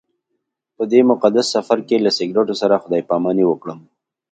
په دې مقدس سفر کې سګرټو سره خدای پاماني وکړم.